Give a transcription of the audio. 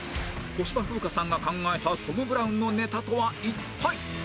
小芝風花さんが考えたトム・ブラウンのネタとは一体？